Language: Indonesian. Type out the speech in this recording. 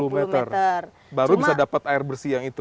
satu ratus dua puluh meter baru bisa dapat air bersih yang itu